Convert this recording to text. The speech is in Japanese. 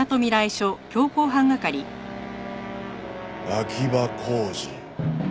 秋葉浩二。